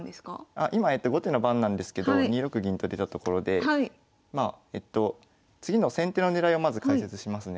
あ今後手の番なんですけど２六銀と出たところでまあえっと次の先手の狙いをまず解説しますね。